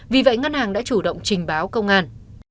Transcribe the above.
vì vậy ngân hàng đã chủ động trình báo công an